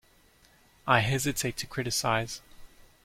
I hesitate to criticise.